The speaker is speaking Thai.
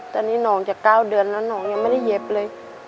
ตอนนี้น้องจะ๙เดือนแล้วน้องยังไม่ได้เย็บเลย